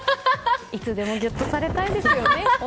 いつでもギュッとされたいですよね。